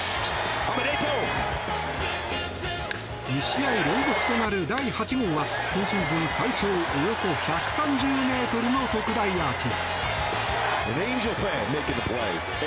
２試合連続となる第８号は今シーズン最長およそ１３０ｍの特大アーチ。